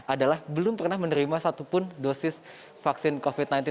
adalah belum pernah menerima satupun dosis vaksin covid sembilan belas